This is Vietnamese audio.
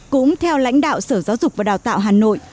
cũng theo lãnh đạo sở giáo dục và đào tạo hà nội